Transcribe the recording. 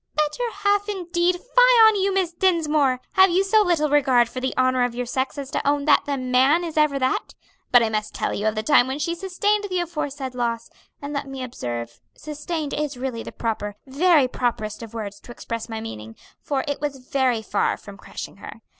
"Better half, indeed! fie on you, Miss Dinsmore! have you so little regard for the honor of your sex as to own that the man is ever that? But I must tell you of the time when she sustained the aforesaid loss; and let me observe, sustained is really the proper very properest of words to express my meaning, for it was very far from crushing her.